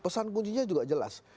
pesan kuncinya juga jelas